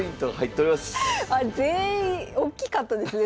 全員おっきかったですね